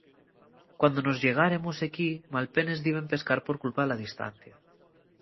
Cuando nós llegáremos equí malpenes diben pescar por culpa la distancia.